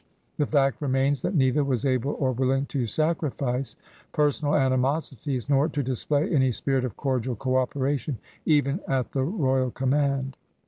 The fact remains that neither was able or willmg to sacrifice per sonal animosities nor to display any spirit of cordial cooperation even at the royal command.